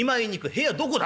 部屋どこだ？』